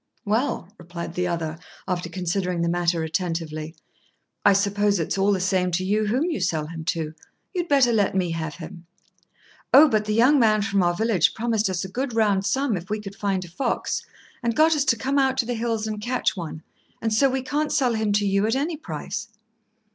"Well," replied the other, after considering the matter attentively, "I suppose it's all the same to you whom you sell him to. You'd better let me have him." "Oh, but the young man from our village promised us a good round sum if we could find a fox, and got us to come out to the hills and catch one; and so we can't sell him to you at any price."